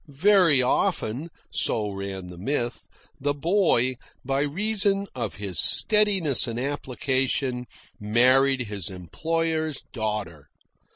Very often so ran the myth the boy, by reason of his steadiness and application, married his employer's daughter.